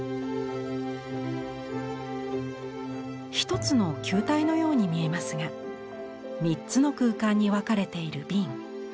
１つの球体のように見えますが３つの空間に分かれている瓶。